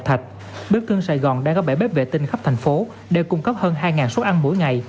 tàu bếp thương sài gòn đã có bảy bếp vệ tinh khắp thành phố đều cung cấp hơn hai suất ăn mỗi ngày